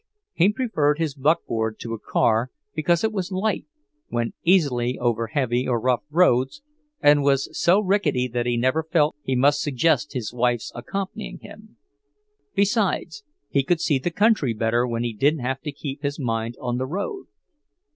He preferred his buckboard to a car because it was light, went easily over heavy or rough roads, and was so rickety that he never felt he must suggest his wife's accompanying him. Besides he could see the country better when he didn't have to keep his mind on the road.